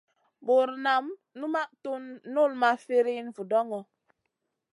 Bur nam numaʼ tun null ma firina vudoŋo.